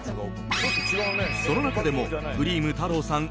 その中でもクリーム太朗さん